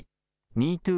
ＭｅＴｏｏ